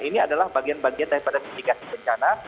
ini adalah bagian bagian daripada mitigasi bencana